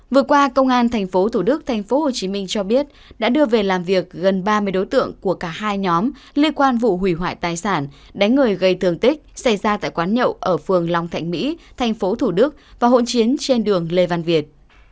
vừa qua công an thành phố thủ đức thành phố hồ chí minh cho biết đã đưa về làm việc gần ba mươi đối tượng của cả hai nhóm liên quan vụ hủy hoại tài sản đánh người gây thường tích xảy ra tại quán nhậu ở phường long thạnh mỹ thành phố thủ đức và hỗn chiến trên đường lê văn việt